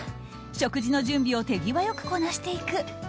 食事の準備を手際よくこなしていく。